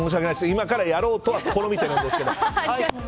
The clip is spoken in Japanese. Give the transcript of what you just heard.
今からやろうと試みてはいるんですけど。